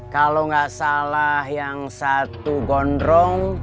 kalau nggak salah yang satu gondrong